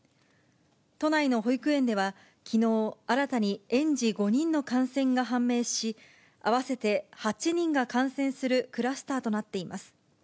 都内の保育園ではきのう、新たに園児５人の感染が判明し、合わせて８人が感染するクラスターとなっています。